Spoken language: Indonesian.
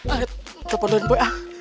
ah ah kepaduan gue